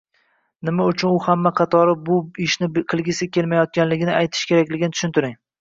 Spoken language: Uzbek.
nima uchun u hamma qatori bu ishni qilgisi kelmayotganligini aytishi kerakligini tushuntiring